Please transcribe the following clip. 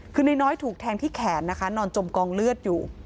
คือนายน้อยถูกแทงที่แขนนะคะนอนจมกองเลือดอยู่